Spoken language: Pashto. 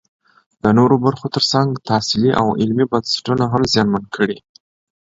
د نورو برخو ترڅنګ تحصیلي او علمي بنسټونه هم زیانمن کړي